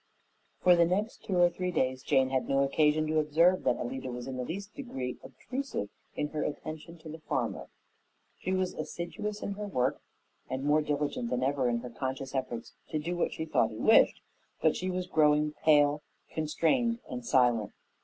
For the next two or three days Jane had no occasion to observe that Alida was in the least degree obtrusive in her attention to the farmer. She was assiduous in her work and more diligent than ever in her conscious efforts to do what she thought he wished; but she was growing pale, constrained, and silent.